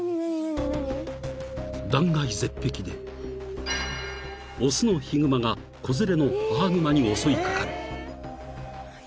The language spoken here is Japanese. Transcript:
［断崖絶壁で雄のヒグマが子連れの母グマに襲い掛かる］